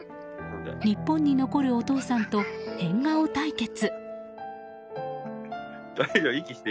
日本に残るお父さんと変顔対決。